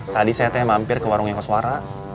tadi saya teh mampir ke warungnya pak suara